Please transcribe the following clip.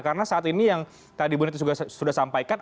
karena saat ini yang tadi bu neti sudah sampaikan